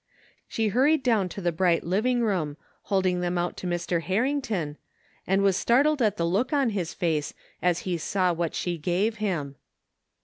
She hurried down to the bright living room, holding them out to Mr. Harrington, and was startled at the look on his face as he saw what she gave him.